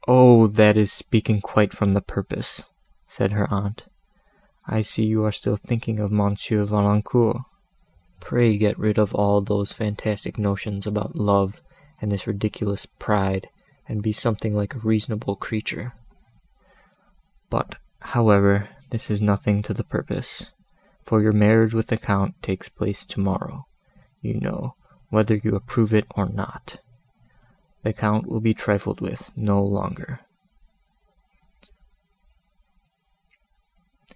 that is speaking quite from the purpose," said her aunt, "I see you are still thinking of Mons. Valancourt. Pray get rid of all those fantastic notions about love, and this ridiculous pride, and be something like a reasonable creature. But, however, this is nothing to the purpose—for your marriage with the Count takes place tomorrow, you know, whether you approve it or not. The Count will be trifled with no longer."